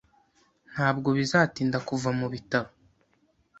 Ntabwo bizatinda kuva mu bitaro.